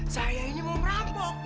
saya ini mau merampok